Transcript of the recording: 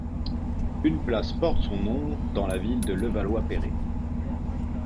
Une place porte son nom dans la ville de Levallois-Perret.